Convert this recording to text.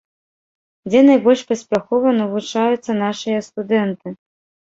Дзе найбольш паспяхова навучаюцца нашыя студэнты?